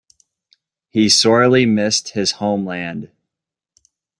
He sorely missed his homeland.